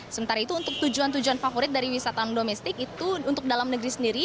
sementara itu untuk tujuan tujuan favorit dari wisatawan domestik itu untuk dalam negeri sendiri